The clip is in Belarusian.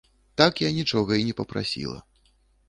Так я нічога і не папрасіла.